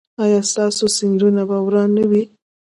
ایا ستاسو سیندونه به روان نه وي؟